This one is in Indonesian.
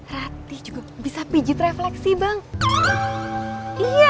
ratih juga bisa pijit refleksi bang iya